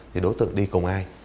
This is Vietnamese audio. thì đối tượng đi cùng ai